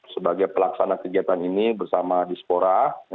sebagai pelaksana kegiatan ini bersama dispora